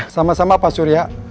sama sama pak surya